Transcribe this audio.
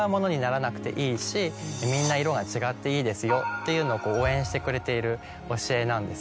っていうのを応援してくれている教えなんです。